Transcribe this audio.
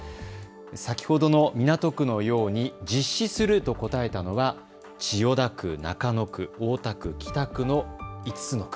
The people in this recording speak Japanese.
先ほどの港区のように実施すると答えたのは千代田区、中野区、大田区、北区の５つの区。